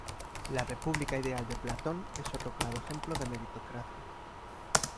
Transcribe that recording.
La república ideal de Platón es otro claro ejemplo de meritocracia.